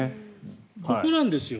ここなんですよ。